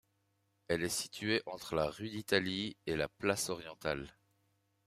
Elle est située entre la rue d’Italie et la place orientale.